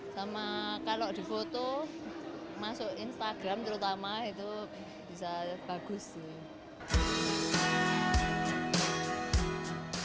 sama kalau di foto masuk instagram terutama itu bisa bagus sih